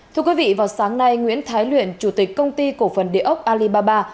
thưa quý vị vào sáng nay nguyễn thái luyện chủ tịch công ty cổ phần địa ốc alibaba